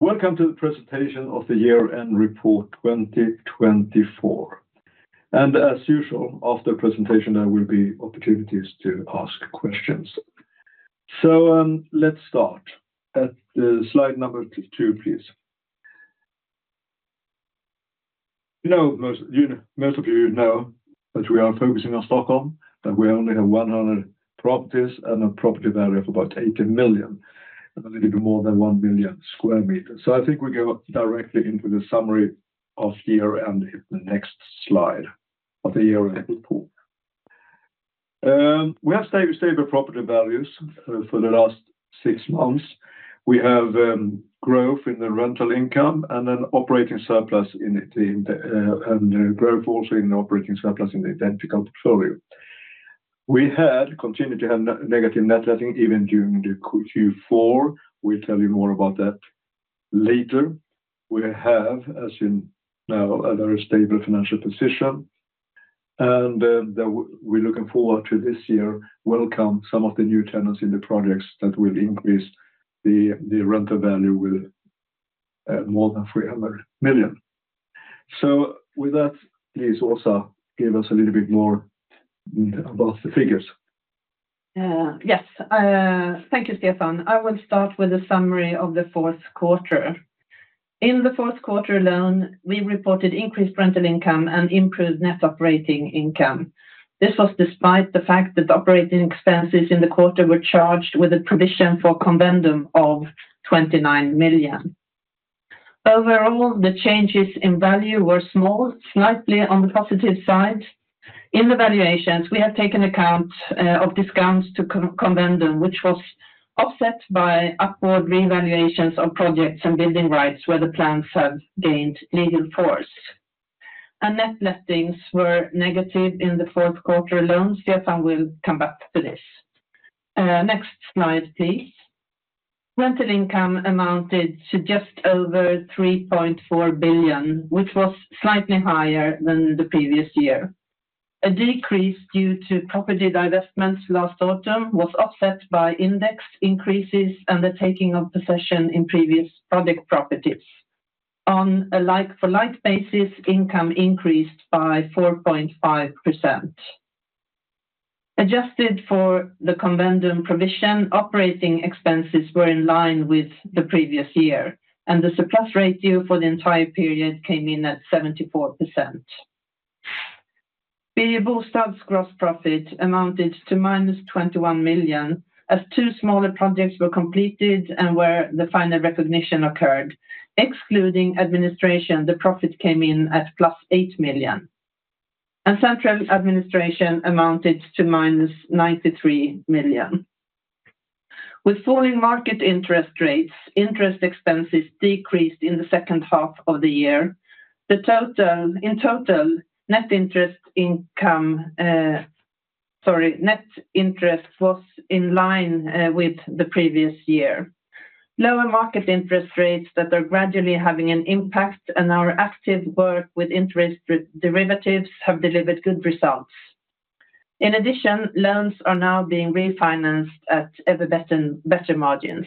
Welcome to the presentation of the Year End Report 2024. As usual, after the presentation, there will be opportunities to ask questions. Let's start at slide number two, please. Most of you know that we are focusing on Stockholm, that we only have 100 properties and a property value of about 80 million, a little bit more than 1 million square meters. I think we go directly into the summary of year-end, the next slide of the year-end report. We have stable property values for the last six months. We have growth in the rental income and an operating surplus in it, and growth also in the operating surplus in the identical portfolio. We had continued to have negative net letting even during Q4. We'll tell you more about that later. We have, as you know, a very stable financial position. We're looking forward to this year welcoming some of the new tenants in the projects that will increase the rental value with more than 300 million. With that, please, Åsa, give us a little bit more about the figures. Yes, thank you, Stefan. I will start with a summary of the Q4. In the Q4 alone, we reported increased rental income and improved net operating income. This was despite the fact that operating expenses in the quarter were charged with a provision for Convendum of 29 million. Overall, the changes in value were small, slightly on the positive side. In the valuations, we have taken account of discounts to Convendum, which was offset by upward revaluations of projects and building rights where the plans have gained legal force. And net lettings were negative in the Q4 alone. Stefan will come back to this. Next slide, please. Rental income amounted to just over 3.4 billion, which was slightly higher than the previous year. A decrease due to property divestments last autumn was offset by index increases and the taking of possession in previous project properties. On a like-for-like basis, income increased by 4.5%. Adjusted for the Convendum provision, operating expenses were in line with the previous year, and the surplus ratio for the entire period came in at 74%. Birger Bostad's gross profit amounted to minus 21 million as two smaller projects were completed and where the final recognition occurred. Excluding administration, the profit came in at plus 8 million, and central administration amounted to minus 93 million. With falling market interest rates, interest expenses decreased in the second half of the year. In total, net interest income was in line with the previous year. Lower market interest rates that are gradually having an impact on our active work with interest derivatives have delivered good results. In addition, loans are now being refinanced at ever better margins.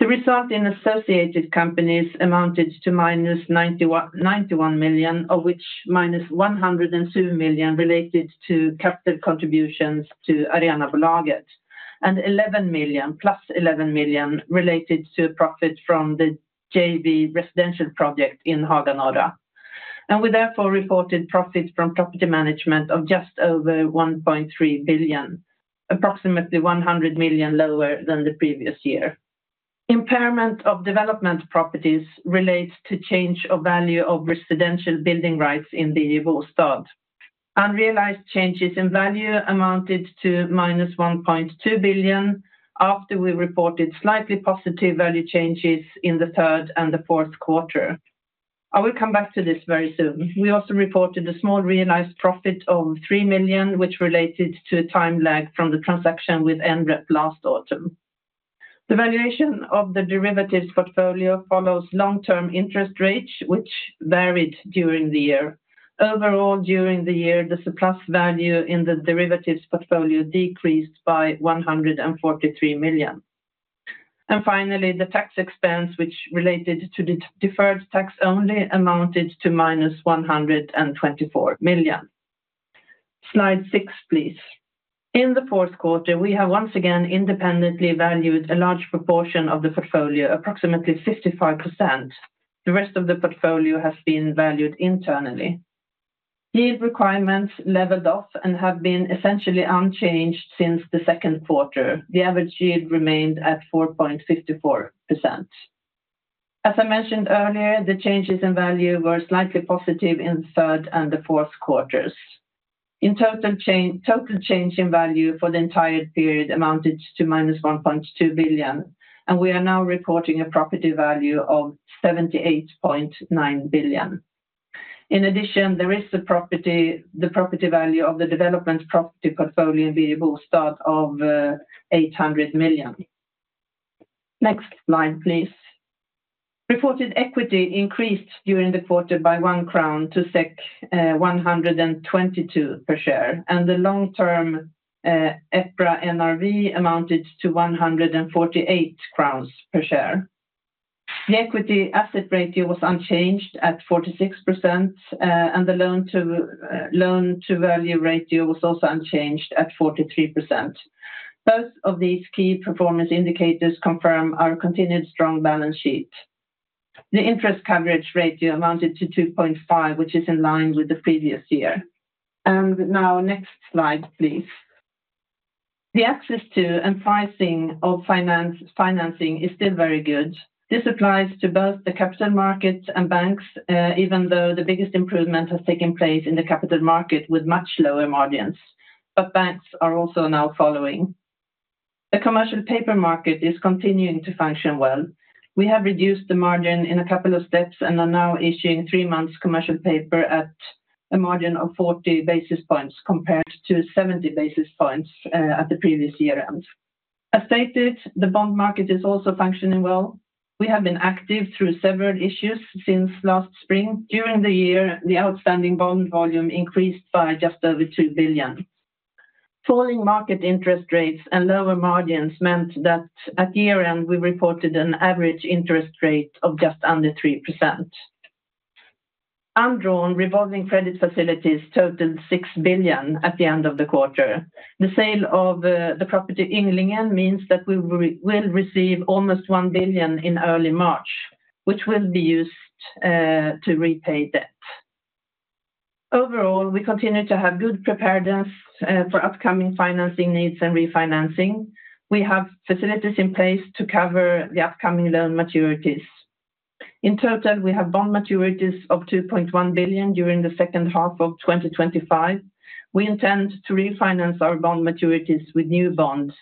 The result in associated companies amounted to minus 91 million, of which minus 102 million related to capital contributions to Arenabolaget, and 11 million, plus 11 million, related to a profit from the JV residential project in Haga Norra. We therefore reported profit from property management of just over 1.3 billion, approximately 100 million lower than the previous year. Impairment of development properties relates to change of value of residential building rights in Birger Bostad. Unrealized changes in value amounted to minus 1.2 billion after we reported slightly positive value changes in the third and the Q4. I will come back to this very soon. We also reported a small realized profit of three million, which related to a time lag from the transaction with Nrep last autumn. The valuation of the derivatives portfolio follows long-term interest rates, which varied during the year. Overall, during the year, the surplus value in the derivatives portfolio decreased by 143 million. Finally, the tax expense, which related to deferred tax only, amounted to minus 124 million. Slide six, please. In the Q4, we have once again independently valued a large proportion of the portfolio, approximately 55%. The rest of the portfolio has been valued internally. Yield requirements leveled off and have been essentially unchanged since the Q2. The average yield remained at 4.54%. As I mentioned earlier, the changes in value were slightly positive in the Q3 and Q4. In total, total change in value for the entire period amounted to minus 1.2 billion, and we are now reporting a property value of 78.9 billion. In addition, there is the property value of the development property portfolio in Birger Bostad of 800 million. Next slide, please. Reported equity increased during the quarter by 1 crown to 122 per share, and the long-term EPRA NRV amounted to 148 crowns per share. The equity asset ratio was unchanged at 46%, and the loan-to-value ratio was also unchanged at 43%. Both of these key performance indicators confirm our continued strong balance sheet. The interest coverage ratio amounted to 2.5, which is in line with the previous year. Now, next slide, please. The access to and pricing of financing is still very good. This applies to both the capital markets and banks, even though the biggest improvement has taken place in the capital market with much lower margins. But banks are also now following. The commercial paper market is continuing to function well. We have reduced the margin in a couple of steps and are now issuing three months' commercial paper at a margin of 40 basis points compared to 70 basis points at the previous year-end. As stated, the bond market is also functioning well. We have been active through several issues since last spring. During the year, the outstanding bond volume increased by just over 2 billion. Falling market interest rates and lower margins meant that at year-end, we reported an average interest rate of just under 3%. Undrawn revolving credit facilities totaled 6 billion at the end of the quarter. The sale of the property in Ynglingen means that we will receive almost 1 billion in early March, which will be used to repay debt. Overall, we continue to have good preparedness for upcoming financing needs and refinancing. We have facilities in place to cover the upcoming loan maturities. In total, we have bond maturities of 2.1 billion during the second half of 2025. We intend to refinance our bond maturities with new bonds,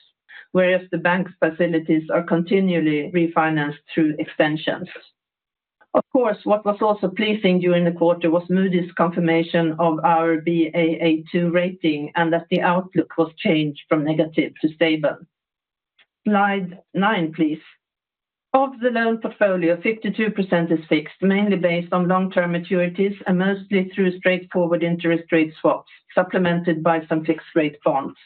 whereas the bank's facilities are continually refinanced through extensions. Of course, what was also pleasing during the quarter was Moody's confirmation of our Baa2 rating and that the outlook was changed from negative to stable. Slide nine, please. Of the loan portfolio, 52% is fixed, mainly based on long-term maturities and mostly through straightforward interest rate swaps supplemented by some fixed-rate bonds.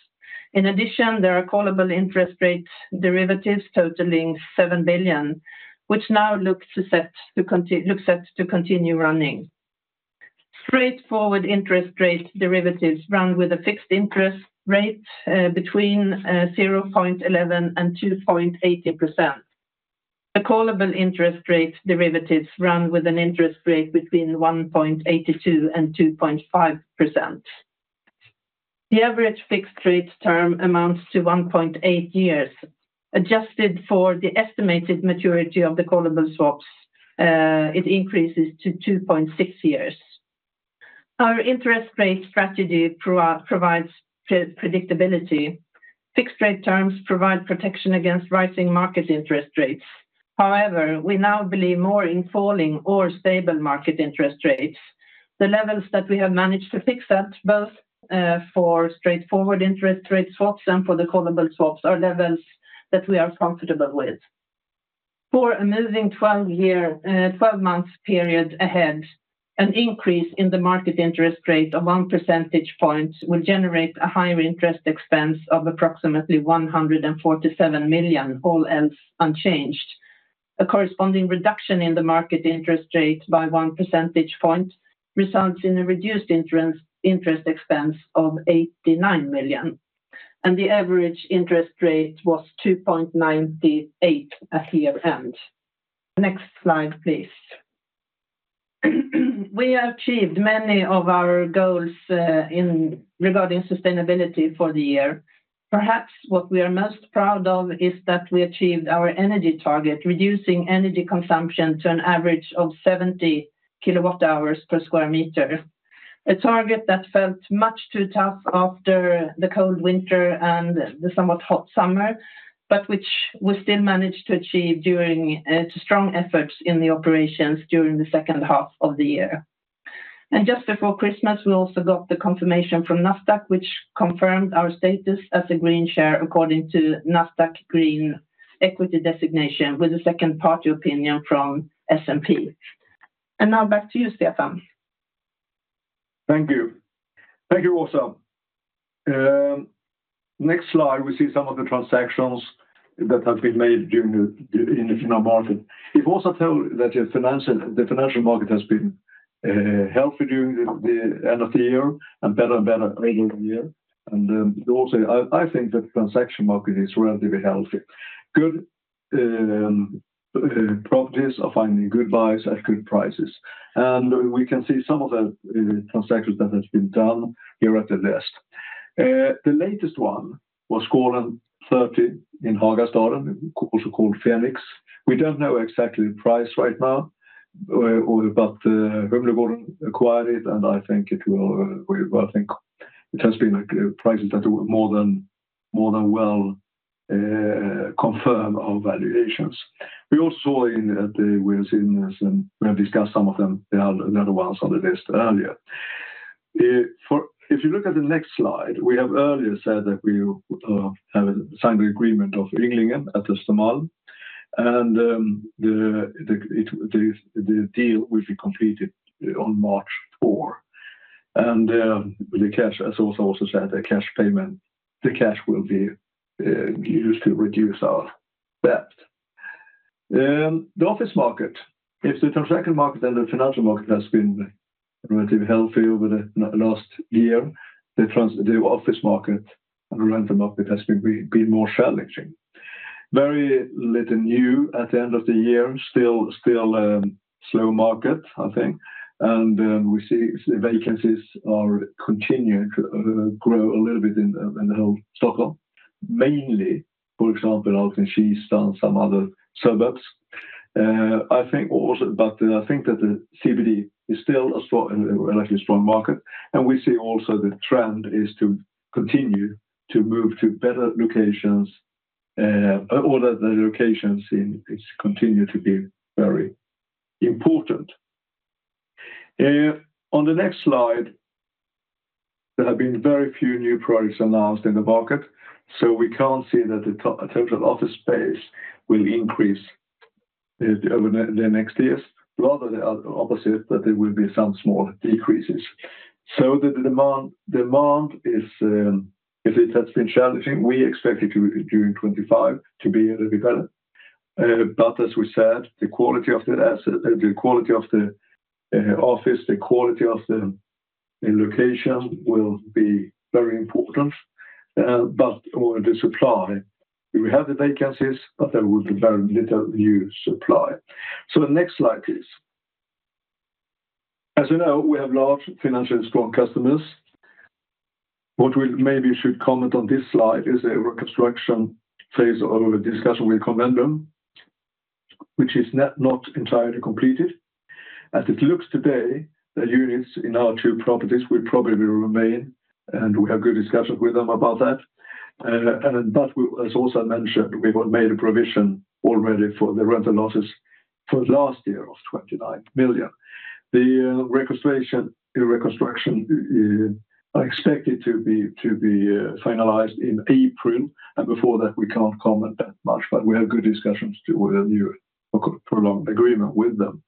In addition, there are callable interest rate derivatives totaling 7 billion, which now looks set to continue running. Straightforward interest rate derivatives run with a fixed interest rate between 0.11% and 2.80%. The callable interest rate derivatives run with an interest rate between 1.82% and 2.5%. The average fixed-rate term amounts to 1.8 years. Adjusted for the estimated maturity of the callable swaps, it increases to 2.6 years. Our interest rate strategy provides predictability. Fixed-rate terms provide protection against rising market interest rates. However, we now believe more in falling or stable market interest rates. The levels that we have managed to fix at both for straightforward interest rate swaps and for the callable swaps are levels that we are comfortable with. For a moving 12-month period ahead, an increase in the market interest rate of 1 percentage point will generate a higher interest expense of approximately 147 million, all else unchanged. A corresponding reduction in the market interest rate by 1 percentage point results in a reduced interest expense of 89 million, and the average interest rate was 2.98% at year-end. Next slide, please. We have achieved many of our goals regarding sustainability for the year. Perhaps what we are most proud of is that we achieved our energy target, reducing energy consumption to an average of 70 kWh per square metre. A target that felt much too tough after the cold winter and the somewhat hot summer, but which we still managed to achieve due to strong efforts in the operations during the second half of the year. And just before Christmas, we also got the confirmation from Nasdaq, which confirmed our status as a green share according to Nasdaq Green Equity Designation with a second-party opinion from S&P. And now back to you, Stefan. Thank you. Thank you, Åsa. Next slide, we see some of the transactions that have been made in the financial market. As Åsa told that the financial market has been healthy during the end of the year and better and better during the year, and also, I think that the transaction market is relatively healthy. Good properties are finding good buyers at good prices. And we can see some of the transactions that have been done here at the list. The latest one was Skålen 3 in Hagastaden, also called Fenix. We don't know exactly the price right now, but Humlegården acquired it, and I think it will, I think it has been prices that were more than well confirmed of valuations. We also saw that we have discussed some of them, the other ones on the list earlier. If you look at the next slide, we have earlier said that we have signed an agreement of Ynglingen at Östermalm, and the deal will be completed on March 4. The cash, as Åsa also said, the cash payment, the cash will be used to reduce our debt. The office market, if the transaction market and the financial market has been relatively healthy over the last year, the office market and the rental market has been more challenging. Very little new at the end of the year, still slow market, I think. We see vacancies are continuing to grow a little bit in the whole Stockholm, mainly, for example, out in Kista and some other suburbs. I think also, but I think that the CBD is still a relatively strong market. We see also the trend is to continue to move to better locations or that the locations continue to be very important. On the next slide, there have been very few new products announced in the market, so we can't see that the total office space will increase over the next years. Rather the opposite, that there will be some small decreases. The demand has been challenging. We expect it during 2025 to be a little bit better. As we said, the quality of the asset, the quality of the office, the quality of the location will be very important. The supply, we have the vacancies, but there will be very little new supply. The next slide is. As you know, we have large financially strong customers. What we maybe should comment on this slide is the reconstruction phase or discussion with Convendum, which is not entirely completed. As it looks today, the units in our two properties will probably remain, and we have good discussions with them about that. But as Åsa mentioned, we have made a provision already for the rental losses for last year of 29 million. The reconstruction, I expect it to be finalized in April, and before that, we can't comment that much, but we have good discussions to do a new prolonged agreement with them.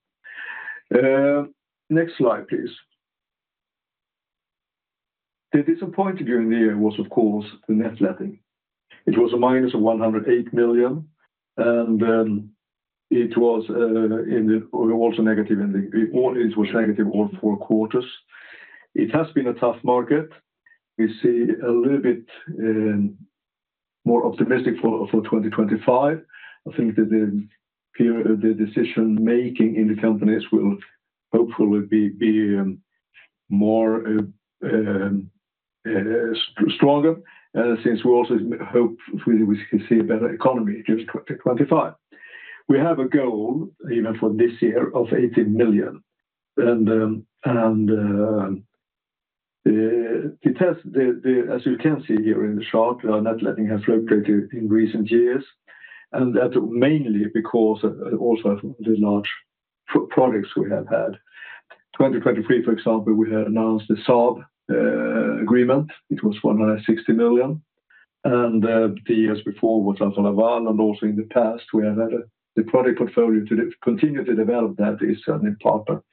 Next slide, please. The disappointing during the year was, of course, the net letting. It was a minus of 108 million, and it was also negative in the all it was negative all four quarters. It has been a tough market. We see a little bit more optimistic for 2025. I think that the decision-making in the companies will hopefully be more stronger since we also hope we can see a better economy during 2025. We have a goal, even for this year, of 18 million. And it has, as you can see here in the chart, net letting has fluctuated in recent years, and that mainly because also of the large projects we have had. 2023, for example, we had announced the Saab agreement. It was 160 million. And the years before was Alfa Laval, and also in the past, we have had the property portfolio to continue to develop that is an important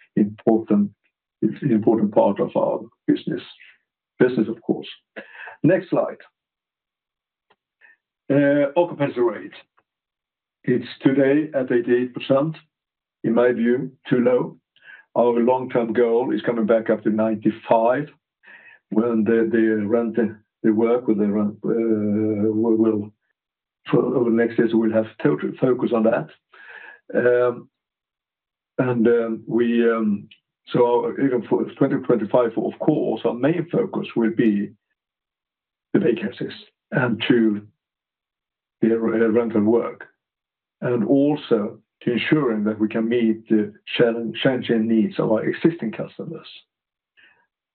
part of our business, business, of course. Next slide. Occupancy rate. It's today at 88%. In my view, too low. Our long-term goal is coming back up to 95% when the rent, the work will, over the next years, we'll have to focus on that. And so even for 2025, of course, our main focus will be the vacancies and to the rental work, and also to ensuring that we can meet the changing needs of our existing customers.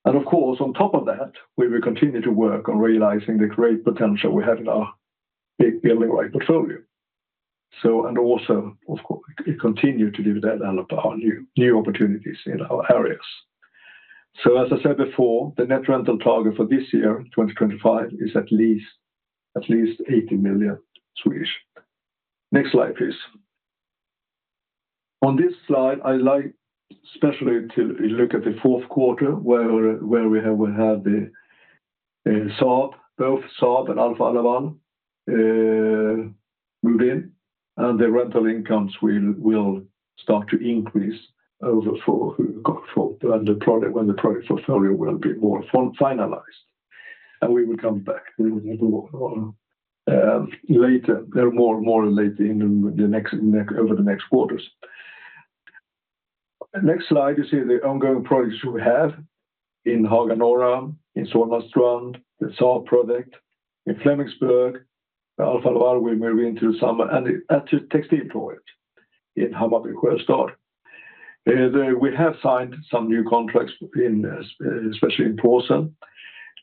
And of course, on top of that, we will continue to work on realizing the great potential we have in our property portfolio. So, and also, of course, continue to develop our new opportunities in our areas. So, as I said before, the net rental target for this year, 2025, is at least 80 million. Next slide, please. On this slide, I'd like especially to look at the Q4 where we have the Saab, both Saab and Alfa Laval moved in, and the rental incomes will start to increase thereafter when the property portfolio will be more finalized. We will come back later, more and later in the next over the next quarters. Next slide, you see the ongoing projects we have in Haga Norra, in Solna Strand, the Saab project. In Flemingsberg, Alfa Laval, we move into the summer, and the textile project in Hammarby Sjöstad. We have signed some new contracts, especially in Porsen,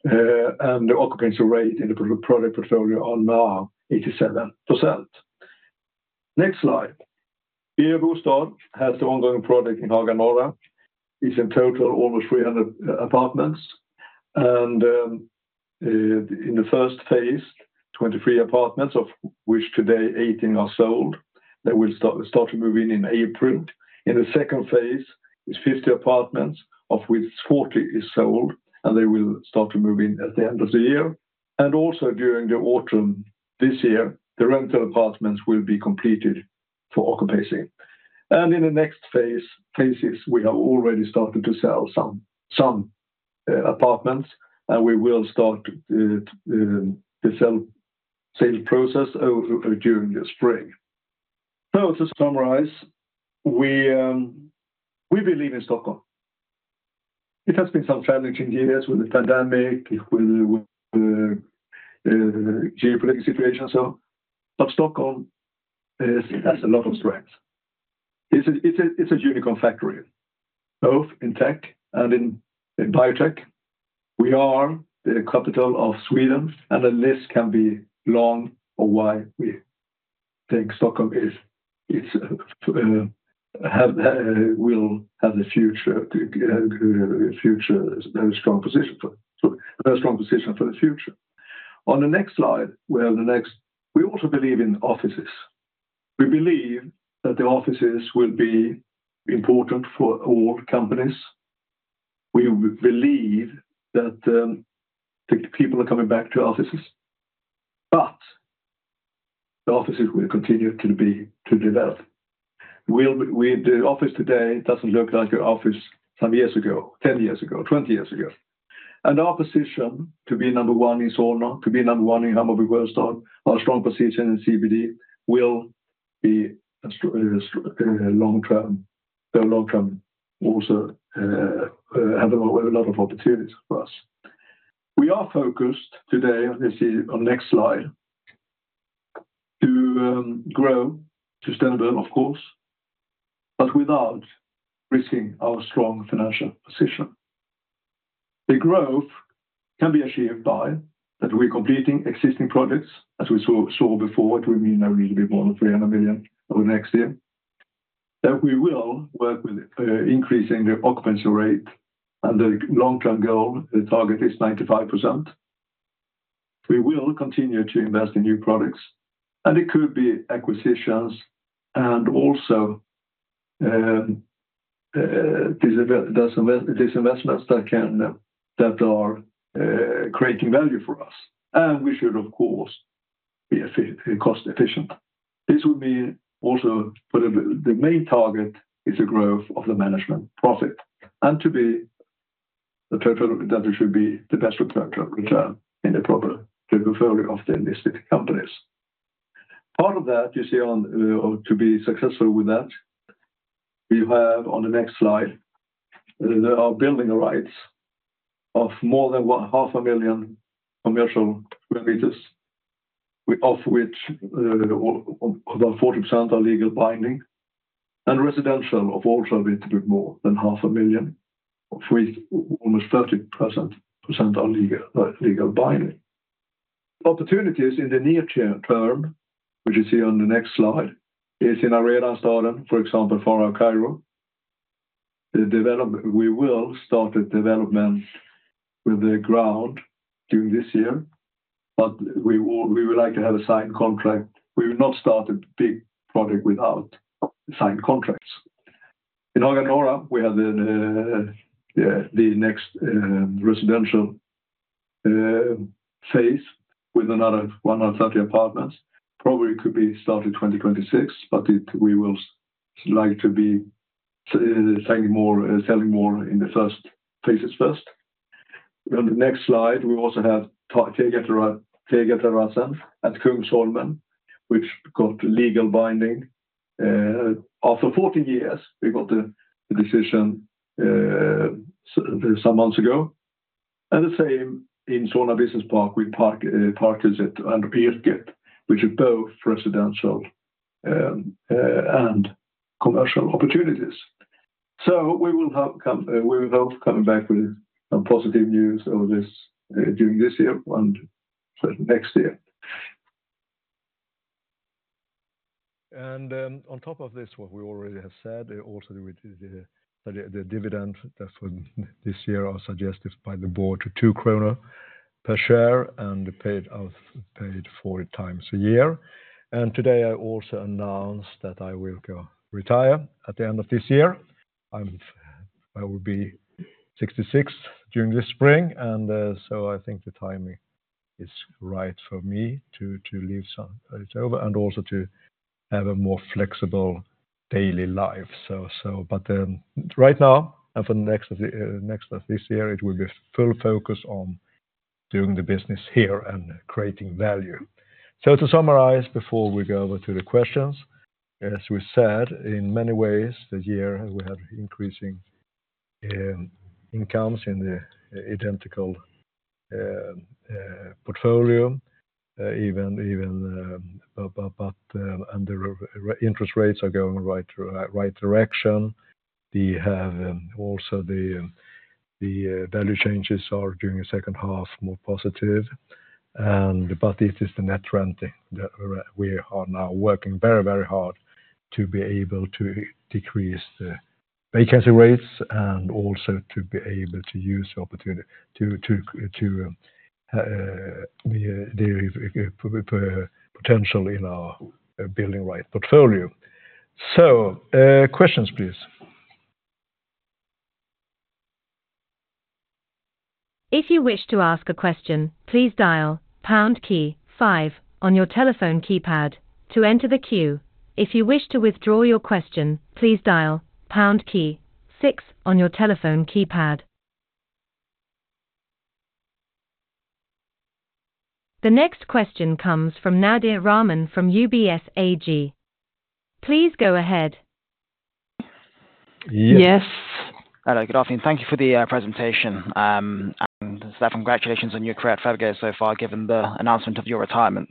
and the occupancy rate in the property portfolio are now 87%. Next slide. Birger Bostad has the ongoing project in Haga Norra. It's in total almost 300 apartments. In the first phase, 23 apartments, of which today 18 are sold, they will start to move in in April. In the second phase, it's 50 apartments, of which 40 is sold, and they will start to move in at the end of the year. Also during the autumn this year, the rental apartments will be completed for occupancy. In the next phases, we have already started to sell some apartments, and we will start the sale process during the spring. To summarize, we believe in Stockholm. It has been some challenging years with the pandemic, with the geopolitical situation, but Stockholm has a lot of strength. It's a unicorn factory, both in tech and in biotech. We are the capital of Sweden, and the list can be long on why we think Stockholm will have the future, a very strong position for the future. On the next slide, we have the next. We also believe in offices. We believe that the offices will be important for all companies. We believe that the people are coming back to offices, but the offices will continue to develop. The office today doesn't look like an office some years ago, 10 years ago, 20 years ago. Our position to be number one in Solna, to be number one in Hammarby Sjöstad, our strong position in CBD will be long-term and also have a lot of opportunities for us. We are focused today, as you see on the next slide, to grow, to stay in the build, of course, but without risking our strong financial position. The growth can be achieved by that we are completing existing projects, as we saw before, which will mean a little bit more than 300 million over the next year. That we will work with increasing the occupancy rate and the long-term goal, the target is 95%. We will continue to invest in new products, and it could be acquisitions and also disinvestments that are creating value for us. And we should, of course, be cost-efficient. This would mean also the main target is the growth of the management profit and to be the that it should be the best return in the property portfolio of the listed companies. Part of that, you see, to be successful with that, we have on the next slide, there are building rights of more than half a million commercial square metre, of which about 40% are legally binding. And residential, of all, shall be more than half a million of which almost 30% are legally binding. Opportunities in the near term, which you see on the next slide, is in Arenastaden, for example, Farao. We will start the development with the ground during this year, but we would like to have a signed contract. We will not start a big project without signed contracts. In Haga Norra, we have the next residential phase with another 130 apartments. Probably could be started 2026, but we would like to be selling more in the first phases first. On the next slide, we also have Tegelpråmen at Kungsholmen, which got legal binding. After 14 years, we got the decision some months ago. And the same in Solna Business Park, we parked it under Park Gate, which are both residential and commercial opportunities. So we will hope coming back with positive news over this during this year and next year. And on top of this, what we already have said, also the dividend that this year are suggested by the board to 2 kronor per share and paid four times a year. And today, I also announced that I will retire at the end of this year. I will be 66 during this spring, and so I think the timing is right for me to hand it over and also to have a more flexible daily life. But right now, and for the rest of this year, it will be full focus on doing the business here and creating value. To summarize before we go over to the questions, as we said, in many ways, this year we have increasing incomes in the identical portfolio, but the interest rates are going in the right direction. We have also the value changes are during the second half more positive, but it is the net letting that we are now working very, very hard to be able to decrease the vacancy rates and also to be able to use the opportunities and potential in our building rights portfolio. Questions, please. If you wish to ask a question, please dial pound key five on your telephone keypad to enter the queue. If you wish to withdraw your question, please dial pound key six on your telephone keypad. The next question comes from Nadir Rahman from UBS AG. Please go ahead. Yes. Hello, good afternoon. Thank you for the presentation. And congratulations on your career at Fabege so far given the announcement of your retirement.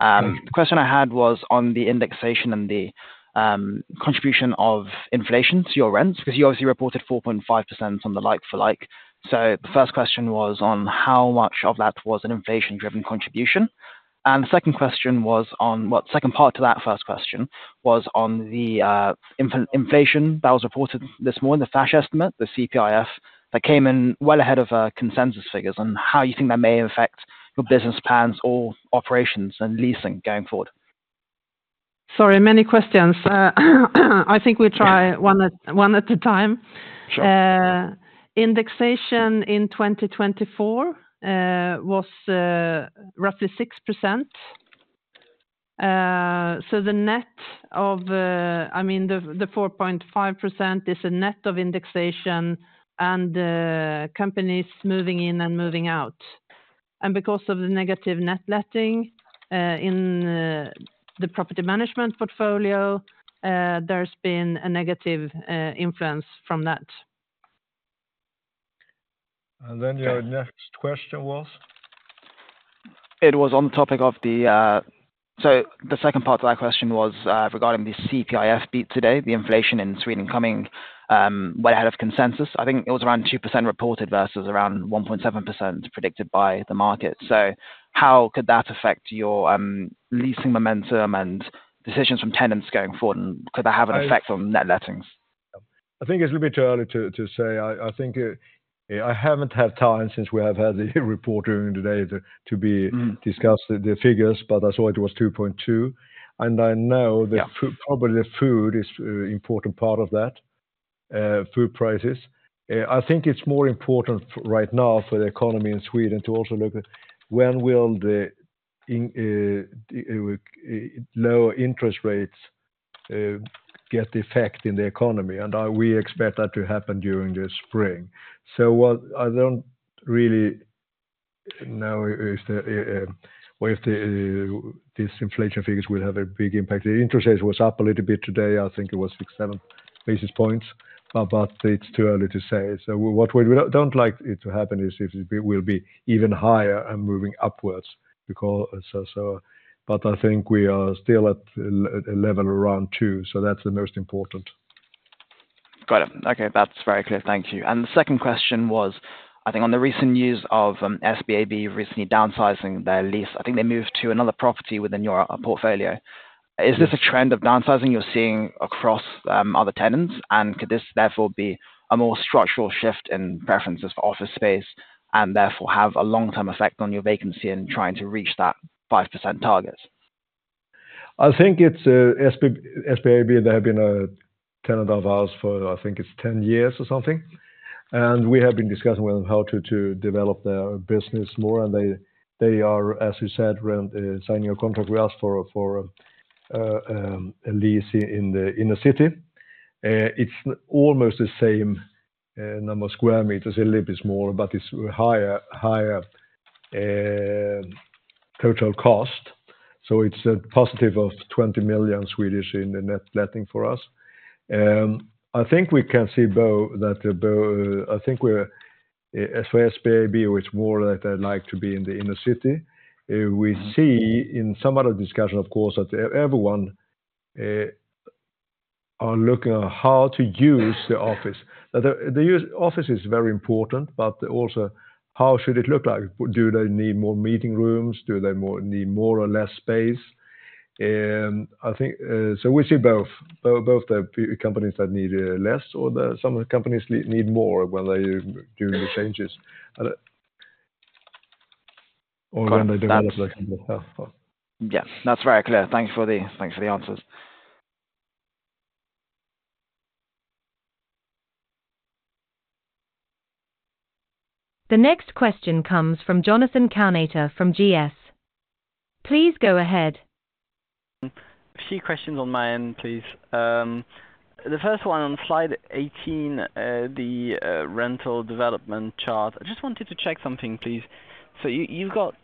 The question I had was on the indexation and the contribution of inflation to your rents because you obviously reported 4.5% on the like-for-like. So the first question was on how much of that was an inflation-driven contribution. And the second question was on the second part to that first question, which was on the inflation that was reported this morning, the flash estimate, the CPIF that came in well ahead of consensus figures and how you think that may affect your business plans or operations and leasing going forward. Sorry, many questions. I think we try one at a time. Sure. Indexation in 2024 was roughly 6%. So the net of, I mean, the 4.5% is a net of indexation and companies moving in and moving out. And because of the negative net letting in the property management portfolio, there's been a negative influence from that. And then your next question was? It was on the topic of the -so the second part of that question was regarding the CPIF beat today, the inflation in Sweden coming well ahead of consensus. I think it was around 2% reported versus around 1.7% predicted by the market. So how could that affect your leasing momentum and decisions from tenants going forward? And could that have an effect on net lettings? I think it's a little bit early to say. I think I haven't had time since we have had the report during the day to be discussed the figures, but I saw it was 2.2%. And I know that probably the food is an important part of that, food prices. I think it's more important right now for the economy in Sweden to also look at when will the lower interest rates get the effect in the economy. And we expect that to happen during the spring. So I don't really know if this inflation figures will have a big impact. The interest rate was up a little bit today. I think it was 6 to 7 basis points, but it's too early to say. So what we don't like to happen is if it will be even higher and moving upwards. But I think we are still at a level around two. So that's the most important. Got it. Okay. That's very clear. Thank you. And the second question was, I think on the recent news of SBAB recently downsizing their lease, I think they moved to another property within your portfolio. Is this a trend of downsizing you're seeing across other tenants? And could this therefore be a more structural shift in preferences for office space and therefore have a long-term effect on your vacancy and trying to reach that 5% target? I think it's SBAB that have been a tenant of ours for, I think it's 10 years or something. We have been discussing with them how to develop their business more. They are, as you said, signing a contract. We asked for a lease in the city. It's almost the same number of square meters, a little bit smaller, but it's a higher total cost. It's a positive of 20 million in the net letting for us. I think we can see both that I think for SBAB, which more like to be in the inner city. We see in some other discussion, of course, that everyone are looking at how to use the office. The office is very important, but also how should it look like? Do they need more meeting rooms? Do they need more or less space? I think so we see both. Both the companies that need less or some companies need more when they do the changes. Or when they develop. Yeah. That's very clear. Thanks for the answers. The next question comes from Jonathan Kownator from GS. Please go ahead. A few questions on my end, please. The first one on slide 18, the rental development chart. I just wanted to check something, please. So you've got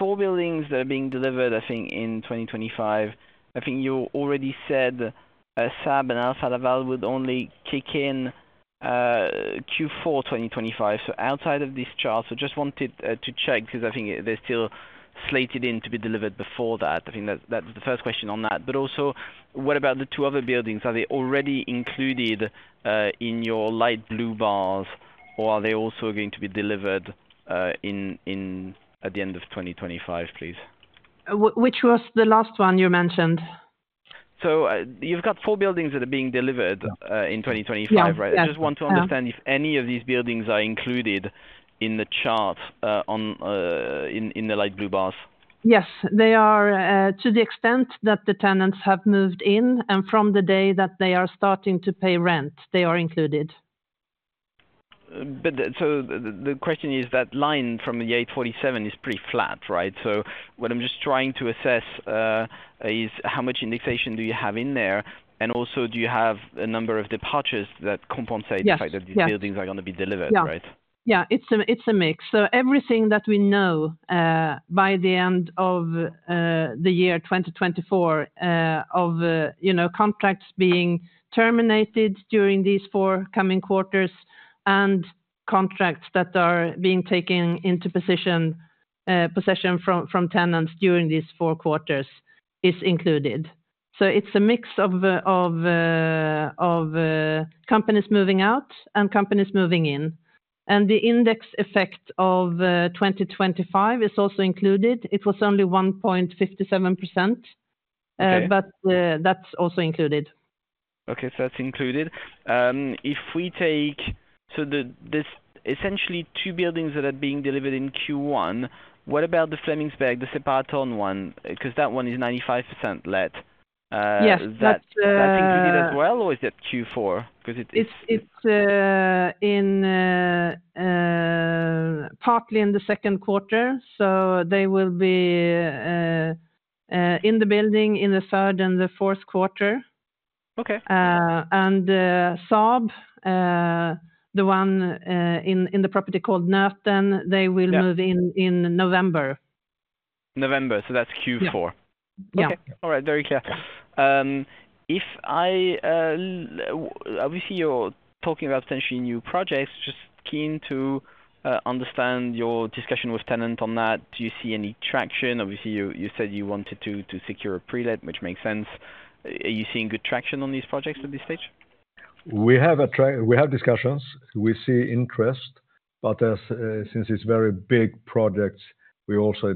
four buildings that are being delivered, I think, in 2025. I think you already said Saab and Alfa Laval would only kick in Q4 2025. So outside of this chart, I just wanted to check because I think they're still slated in to be delivered before that. I think that's the first question on that. But also, what about the two other buildings? Are they already included in your light blue bars, or are they also going to be delivered at the end of 2025, please? Which was the last one you mentioned? So you've got four buildings that are being delivered in 2025- right? I just want to understand if any of these buildings are included in the chart in the light blue bars. Yes. They are to the extent that the tenants have moved in and from the day that they are starting to pay rent, they are included. So the question is that line from the 847 is pretty flat, right? So what I'm just trying to assess is how much indexation do you have in there? And also, do you have a number of departures that compensate the fact that these buildings are going to be delivered, right? Yeah. It's a mix. So everything that we know by the end of the year 2024 of contracts being terminated during these four coming quarters and contracts that are being taken into possession from tenants during these four quarters is included. It's a mix of companies moving out and companies moving in. And the index effect of 2025 is also included. It was only 1.57%, but that's also included. Okay. So that's included. If we take so there's essentially two buildings that are being delivered in Q1. What about the Flemingsberg, the Separatorn one? Because that one is 95% let. Is that included as well, or is that Q4? Because- it's partly in the Q2. So they will be in the building in the third and the Q4. And Saab, the one in the property called Nöten, they will move in November. November so that's Q4. Okay. All right. Very clear. If I obviously you're talking about essentially new projects, just keen to understand your discussion with tenant on that. Do you see any traction? Obviously, you said you wanted to secure a pre-let, which makes sense. Are you seeing good traction on these projects at this stage? We have discussions. We see interest. But since it's very big projects, we also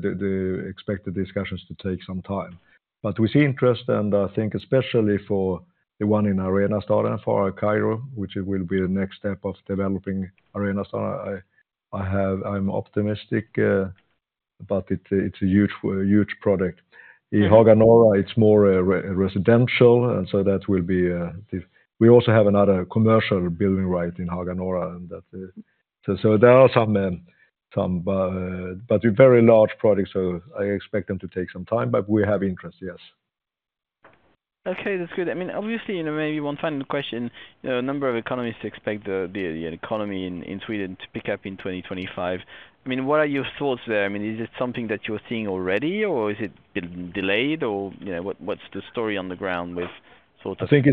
expect the discussions to take some time. But we see interest. And I think especially for the one in Arenastaden, Farao, which will be the next step of developing Arenastaden, I'm optimistic, but it's a huge project. In Haga Norra, it's more residential. And so that will be we also have another commercial building right in Haga Norra. And so there are some, but very large projects. So I expect them to take some time, but we have interest, yes. Okay. That's good. I mean, obviously, maybe one final question. A number of economists expect the economy in Sweden to pick up in 2025. I mean, what are your thoughts there?I mean, is it something that you're seeing already, or is it delayed, or what's the story on the ground with sort of? I think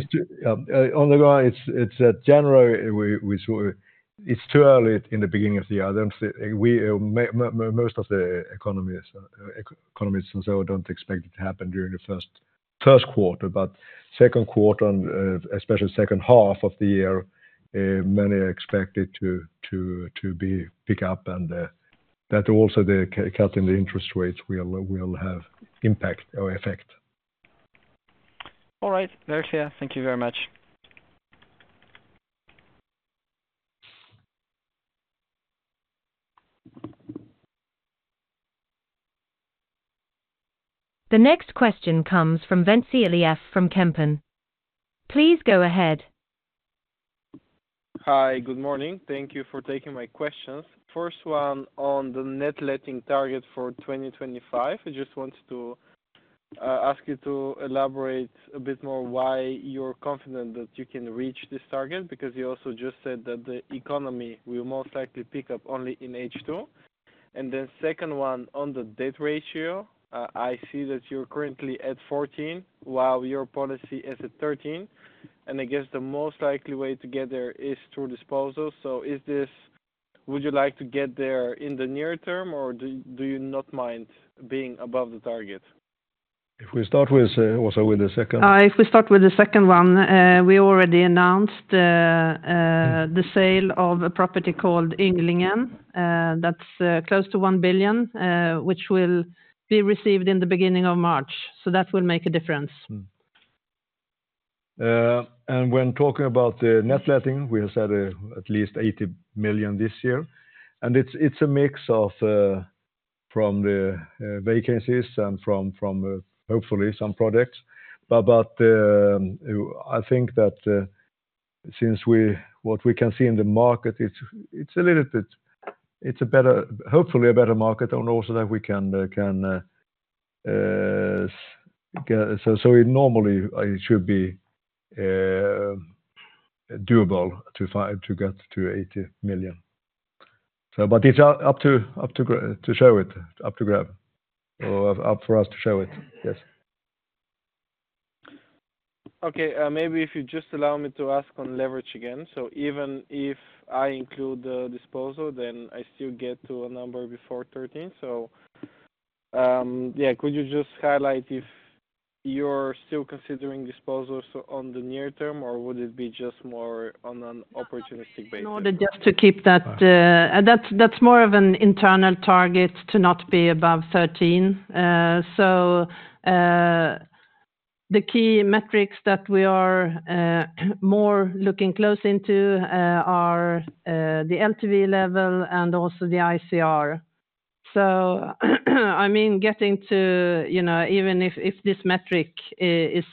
on the ground, it's that generally it's too early in the beginning of the year. Most of the economists and so don't expect it to happen during the Q1. But Q2, especially second half of the year, many expect it to pick up. And that also cutting the interest rates will have impact or effect. All right. Very clear. Thank you very much. The next question comes from Ventsi Iliev from Kempen. Please go ahead. Hi, Good morning. Thank you for taking my questions. First one on the net letting target for 2025.I just wanted to ask you to elaborate a bit more why you're confident that you can reach this target because you also just said that the economy will most likely pick up only in H2. And then second one on the debt ratio. I see that you're currently at 14% while your policy is at 13%. And I guess the most likely way to get there is through disposal. So would you like to get there in the near term, or do you not mind being above the target? If we start with the second one, we already announced the sale of a property called Ynglingen. That's close to 1 billion, which will be received in the beginning of March. So that will make a difference. When talking about the net letting, we have said at least 80 million this year. It's a mix from the vacancies and from hopefully some projects. But I think that since what we can see in the market, it's a little bit it's hopefully a better market and also that we can so normally it should be doable to get to 80 million. But it's up to show it, up to grab, or up for us to show it. Yes. Okay. Maybe if you just allow me to ask on leverage again. Even if I include the disposal, then I still get to a number before 13. Yeah, could you just highlight if you're still considering disposals on the near term, or would it be just more on an opportunistic basis? No, just to keep that. That's more of an internal target to not be above 13. So the key metrics that we are more looking closely into are the LTV level and also the ICR. So I mean, getting to even if this metric is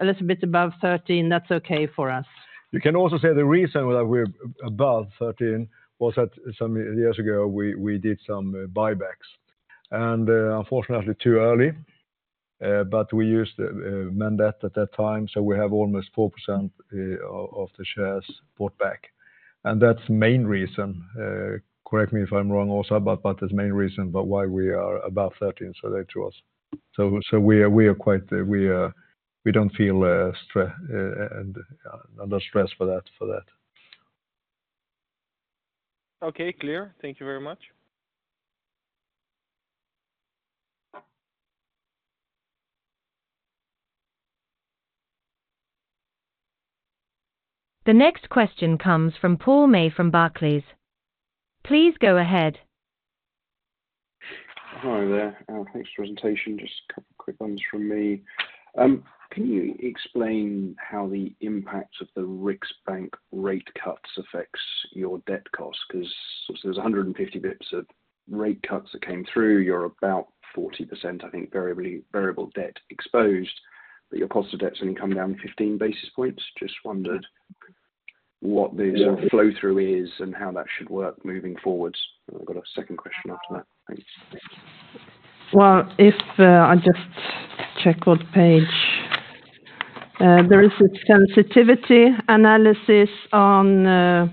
a little bit above 13, that's okay for us. You can also say the reason that we're above 13 was that some years ago we did some buybacks. And unfortunately, too early. But we used debt at that time. So we have almost 4% of the shares bought back. And that's the main reason. Correct me if I'm wrong also, but that's the main reason why we are above 13. So they chose. So we don't feel under stress for that. Okay. Clear. Thank you very much. The next question comes from Paul May from Barclays. Please go ahead. Hello there. Thanks for the presentation. Just a couple of quick ones from me. Can you explain how the impact of the Riksbank rate cuts affects your debt costs? Because there's 150 basis points of rate cuts that came through. You're about 40%, I think, variable debt exposed. But your cost of debt's only come down 15 basis points. Just wondered what the flow-through is and how that should work moving forwards. I've got a second question after that. Thanks. If I just check what page. There is a sensitivity analysis on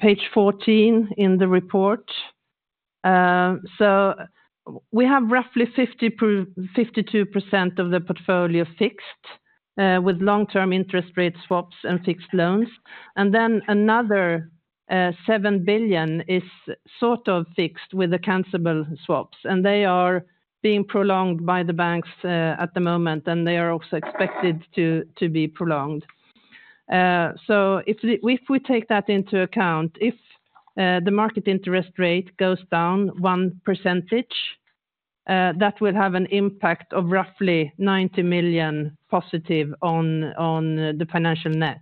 page 14 in the report. So we have roughly 52% of the portfolio fixed with long-term interest rate swaps and fixed loans. And then another 7 billion is sort of fixed with callable swaps. And they are being prolonged by the banks at the moment, and they are also expected to be prolonged. So if we take that into account, if the market interest rate goes down 1%, that will have an impact of roughly 90 million positive on the financial net.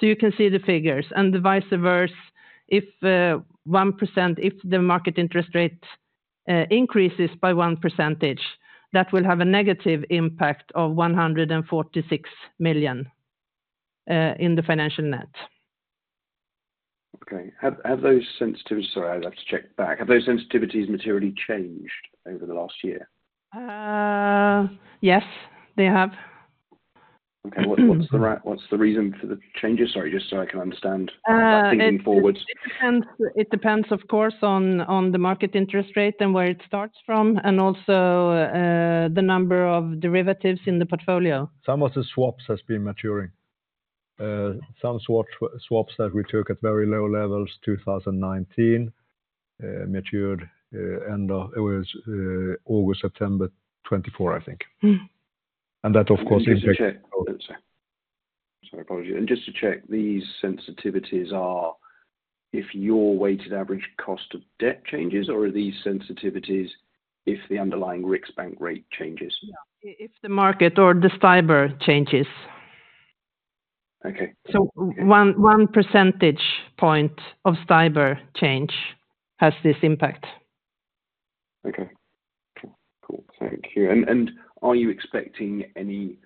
So you can see the figures, and vice versa, if 1%, if the market interest rate increases by 1%, that will have a negative impact of 146 million in the financial net. Okay. Have those sensitivities materially changed over the last year? Yes, they have. Okay. What's the reason for the changes? Sorry, just so I can understand. I'm thinking forward. It depends, of course, on the market interest rate and where it starts from, and also the number of derivatives in the portfolio. Some of the swaps have been maturing. Some swaps that we took at very low levels, 2019, matured end of it was August, September 2024, I think. And that, of course, impacts. Sorry, apologies. And just to check, these sensitivities are if your weighted average cost of debt changes, or are these sensitivities if the underlying Riksbank rate changes? If the market or the Stibor changes. So one percentage point of Stibor change has this impact. Okay. Cool. Thank you. And are you expecting any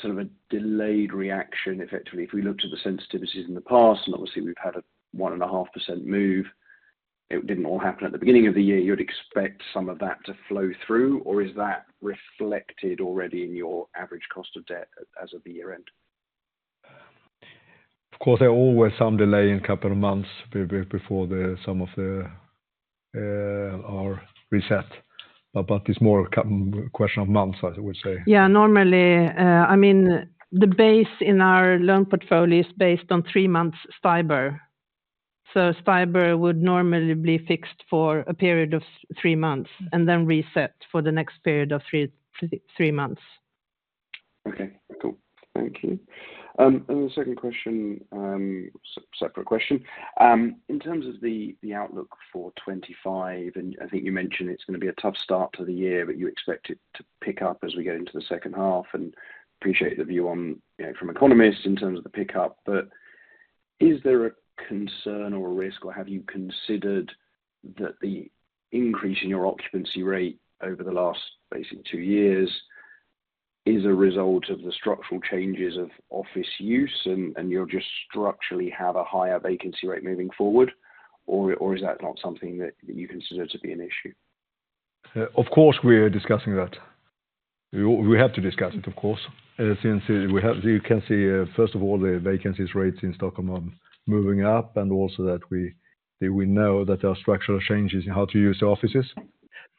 sort of a delayed reaction? Effectively, if we looked at the sensitivities in the past, and obviously, we've had a 1.5% move, it didn't all happen at the beginning of the year, you'd expect some of that to flow through, or is that reflected already in your average cost of debt as of the year-end? Of course, there are always some delay in a couple of months before some of the reset. But it's more a question of months, I would say. Yeah. Normally, I mean, the base in our loan portfolio is based on three-month Stibor. So Stibor would normally be fixed for a period of three months and then reset for the next period of three months. Okay. Cool. Thank you. And the second question, separate question. In terms of the outlook for 2025, and I think you mentioned it's going to be a tough start to the year, but you expect it to pick up as we get into the second half. And appreciate the view from economists in terms of the pickup. But is there a concern or a risk, or have you considered that the increase in your occupancy rate over the last, basically, two years is a result of the structural changes of office use, and you'll just structurally have a higher vacancy rate moving forward? Or is that not something that you consider to be an issue? Of course, we're discussing that. We have to discuss it, of course. As you can see, first of all, the vacancy rates in Stockholm are moving up, and also that we know that there are structural changes in how to use the offices.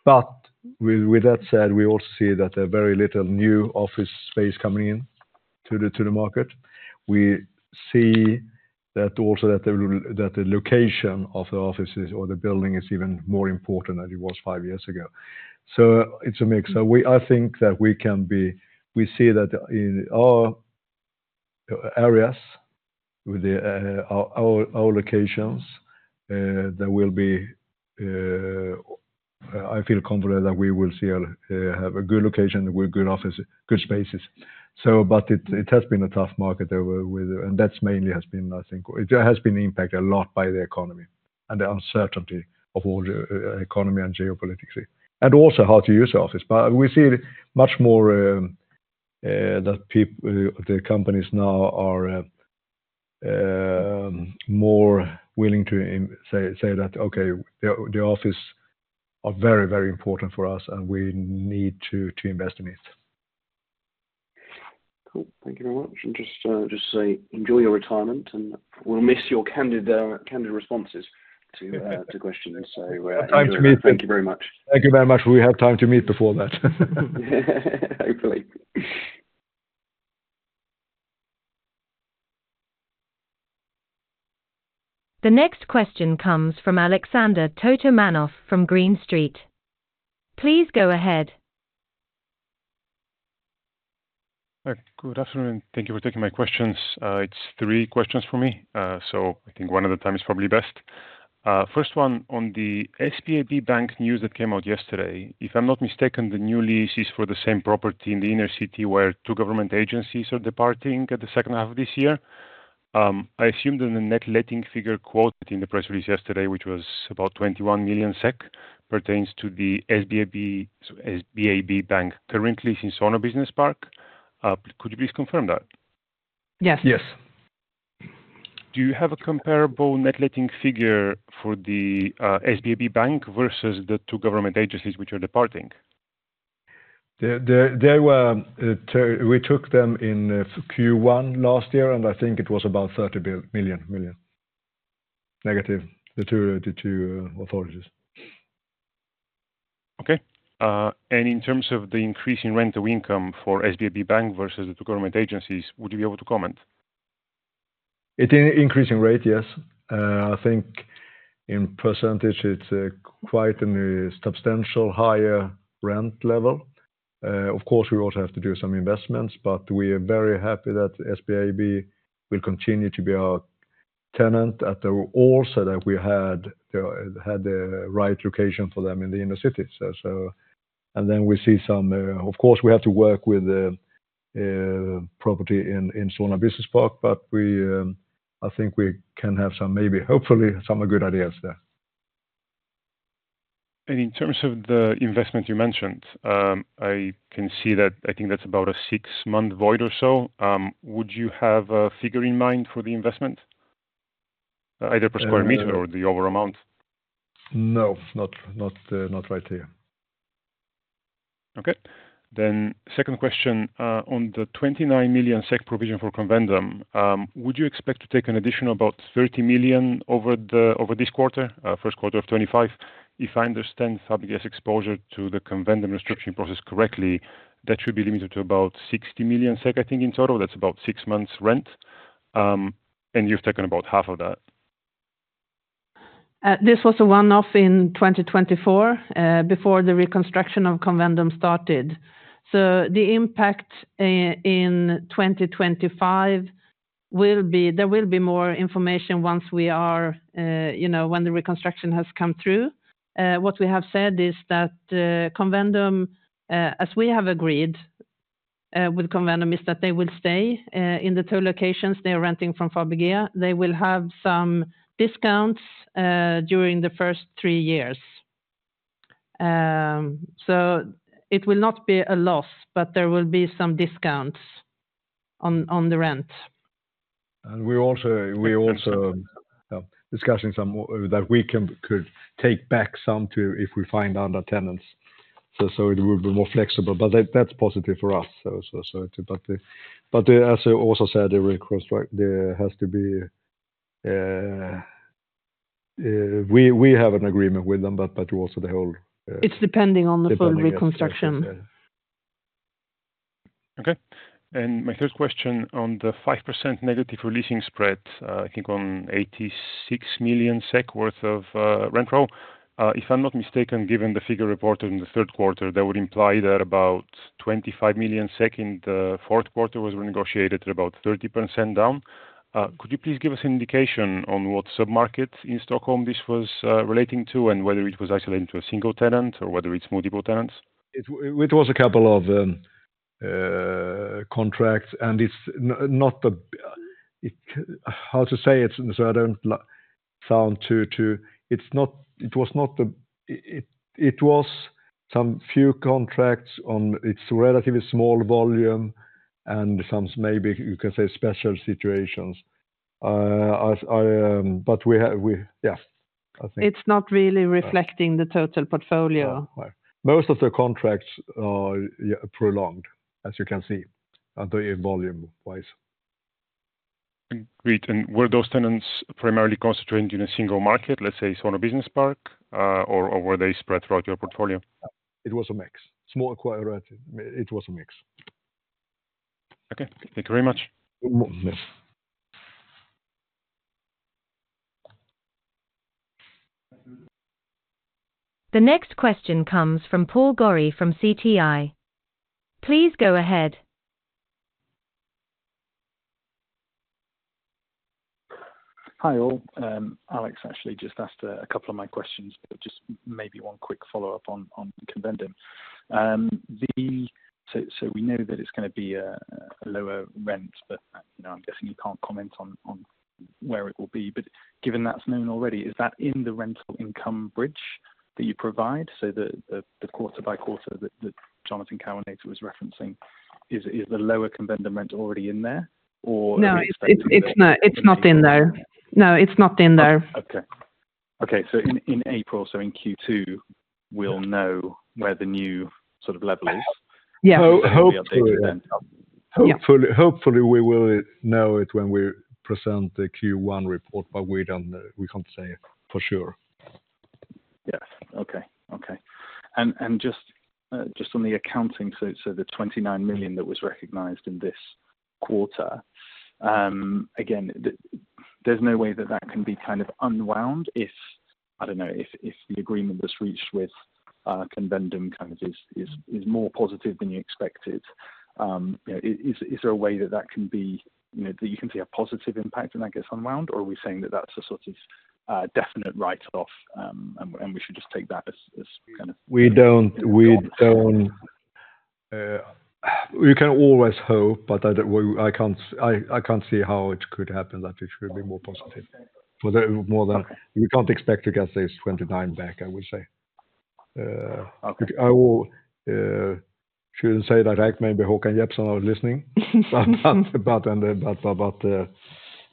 But with that said, we also see that there are very little new office space coming into the market. We see also that the location of the offices or the building is even more important than it was five years ago. So it's a mix. I think that we can see that in our areas, with our locations, there will be. I feel confident that we will have a good location with good spaces. But it has been a tough market overall, and that's mainly. I think it has been impacted a lot by the economy and the uncertainty in the economy and geopolitically. And also how to use the office. But we see much more that the companies now are more willing to say that, "Okay, the office are very, very important for us, and we need to invest in it." Cool. Thank you very much. And just say enjoy your retirement, and we'll miss your candid responses to questions. So we have time to meet. Thank you very much. Thank you very much. We have time to meet before that. Hopefully. The next question comes from Alexander Totomanov from Green Street. Please go ahead. Okay. Good afternoon. Thank you for taking my questions. It's three questions for me. So I think one at a time is probably best. First one on the SBAB Bank news that came out yesterday. If I'm not mistaken, the new lease is for the same property in the inner city where two government agencies are departing at the second half of this year. I assume that the net letting figure quoted in the press release yesterday, which was about 21 million SEK, pertains to the SBAB Bank currently in Solna Business Park. Could you please confirm that? Yes. Yes. Do you have a comparable net letting figure for the SBAB Bank versus the two government agencies which are departing? We took them in Q1 last year, and I think it was about 30 million. Negative.The two authorities. Okay. And in terms of the increase in rental income for SBAB Bank versus the two government agencies, would you be able to comment? In increasing rate, yes. I think in percentage, it's quite a substantial higher rent level. Of course, we also have to do some investments, but we are very happy that SBAB will continue to be our tenant at the, also that we had the right location for them in the inner city. And then we see some of course, we have to work with the property in Solna Business Park, but I think we can have some maybe, hopefully, some good ideas there. And in terms of the investment you mentioned, I can see that I think that's about a six-month void or so. Would you have a figure in mind for the investment? Either per square meter or the overall amount? No, not right here. Okay. Then second question. On the 29 million SEK provision for Convendum, would you expect to take an additional about 30 million over this quarter? Q1 of 2025? If I understand Fabege's exposure to the Convendum restructuring process correctly, that should be limited to about 60 million SEK, I think, in total. That's about six months rent. And you've taken about half of that. This was a one-off in 2024 before the reconstruction of Convendum started. The impact in 2025 will be there will be more information once we are when the reconstruction has come through. What we have said is that Convendum, as we have agreed with Convendum, is that they will stay in the two locations they are renting from Fabege. They will have some discounts during the first three years. So it will not be a loss, but there will be some discounts on the rent. And we're also discussing some that we could take back some to if we find other tenants. So it will be more flexible. But that's positive for us. But as I also said, there has to be we have an agreement with them, but also the whole. It's depending on the full reconstruction. Okay. And my first question on the 5% negative releasing spread, I think on 86 million SEK worth of rent roll. If I'm not mistaken, given the figure reported in the Q3, that would imply that about 25 million in the Q4 was renegotiated at about 30% down. Could you please give us an indication on what submarket in Stockholm this was relating to, and whether it was isolated to a single tenant or whether it's multiple tenants? It was a couple of contracts, and it's not the how to say it, so I don't sound too. It was not the. It was some few contracts on its relatively small volume and some maybe you can say special situations. But yeah, I think. It's not really reflecting the total portfolio. Most of the contracts are prolonged, as you can see, volume-wise. Great. And were those tenants primarily concentrated in a single market, let's say Solna Business Park, or were they spread throughout your portfolio? It was a mix. Small quarter rate. It was a mix. Okay. Thank you very much. The next question comes from Paul Gorrie from Citi. Please go ahead. Hi all. Alex actually just asked a couple of my questions, but just maybe one quick follow-up on Convendum. So we know that it's going to be a lower rent, but I'm guessing you can't comment on where it will be. But given that's known already, is that in the rental income bridge that you provide, so the quarter-by-quarter that Jonathan Kownator was referencing, is the lower Convendum rent already in there, or is that? No, it's not in there. No, it's not in there. Okay, okay, so in April, so in Q2, we'll know where the new sort of level is. Yeah. Hopefully, we will know it when we present the Q1 report, but we can't say for sure. Yeah. Okay. Okay. And just on the accounting, so the 29 million that was recognized in this quarter, again, there's no way that that can be kind of unwound if, I don't know, if the agreement that's reached with Convendum kind of is more positive than you expected. Is there a way that that can be that you can see a positive impact and that gets unwound, or are we saying that that's a sort of definite write-off and we should just take that as kind of? We can always hope, but I can't see how it could happen that it should be more positive. We can't expect to get this 29 back, I would say. I shouldn't say that maybe Håkan Jeppsson is listening, but no,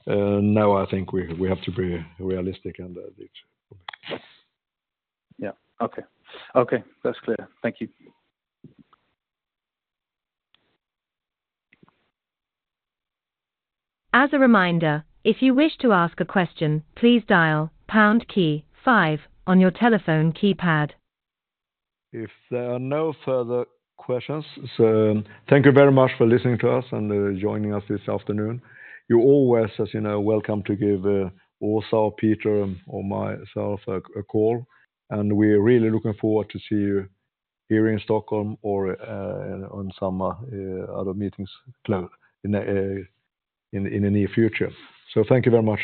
I think we have to be realistic and that it should be. Yeah. Okay. Okay. That's clear. Thank you. As a reminder, if you wish to ask a question, please dial pound key five on your telephone keypad. If there are no further questions, so thank you very much for listening to us and joining us this afternoon. You're always, as you know, welcome to give also or myself a call, and we're really looking forward to see you here in Stockholm or on some other meetings in the near future, so thank you very much.